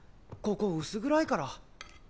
ここ薄暗いから。